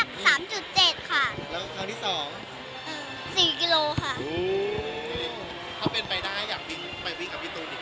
สมัครเป็นสมัครเป็นแฟนคับพี่ตูนแล้วเรียบร้อยใช่มั้ย